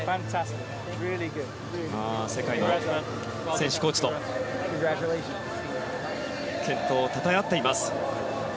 世界の選手、コーチと健闘をたたえ合っています。